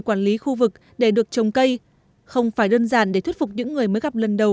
quản lý khu vực để được trồng cây không phải đơn giản để thuyết phục những người mới gặp lần đầu